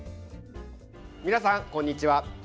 皆さん、こんにちは。